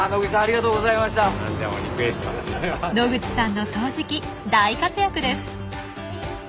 野口さんの掃除機大活躍です！